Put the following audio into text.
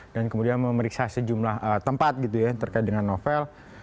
dan kemudian memeriksa sejumlah tempat terkait dengan novel